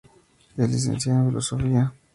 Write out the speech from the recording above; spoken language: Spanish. Es licenciada en Filosofía.